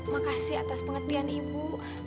makasih atas pengertian ibu